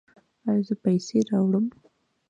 ایا زه پیسې راوړم؟